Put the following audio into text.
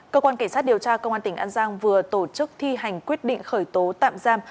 cơ quan cảnh sát điều tra công an tỉnh an giang vừa tổ chức thi hành quyết định khởi tố tạm giam